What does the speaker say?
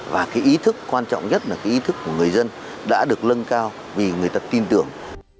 và cái ý thức quan trọng nhất là cái ý thức của người dân đã được lân cao vì người ta tin tưởng